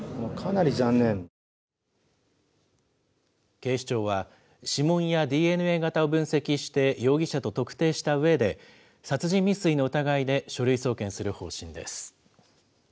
警視庁は指紋やＤＮＡ型を分析して容疑者と特定したうえで、殺人未遂の疑いで書類送検する方針です。